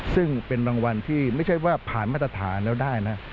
ซึ่งเป็นบางวันที่ไม่ใช่ว่าผ่านมาตรฐานแล้วได้นะ